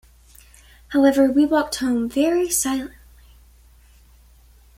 However, we walked home very silently.